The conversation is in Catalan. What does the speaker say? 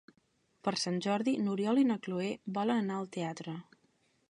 Per Sant Jordi n'Oriol i na Cloè volen anar al teatre.